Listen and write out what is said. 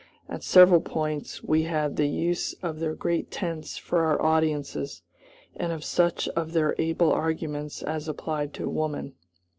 At several points we had the use of their great tents for our audiences, and of such of their able arguments as applied to woman.